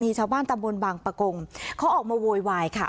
ชาวบ้านตำบลบางปะกงเขาออกมาโวยวายค่ะ